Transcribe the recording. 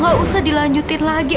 gak usah dilanjutin lagi